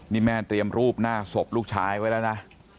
นี่แม่เตรียมรูปหน้าศพลูกชายไว้แล้วนะ